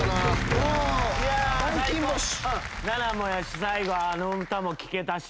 もやし最後あの歌も聴けたし。